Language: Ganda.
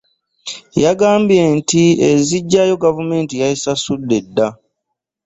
Yagambye nti eziggyayo Gavumenti yazisasudde dda.